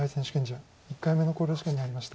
１回目の考慮時間に入りました。